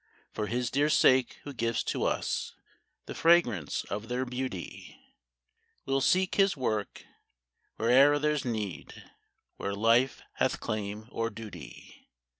For His dear sake who gives to us The fragrance of their beauty, We '11 seek His work where'er there 's need, Where life hath claim or duty.